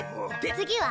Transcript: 次は？